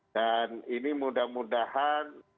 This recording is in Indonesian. dan ini mudah mudahan